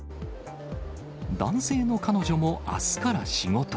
男性の彼女もあすから仕事。